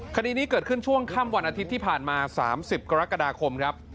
คดีนี้เกิดขึ้นช่วงค่ำวันอาทิตย์ที่ผ่านมา๓๐กรกฎาคมครับ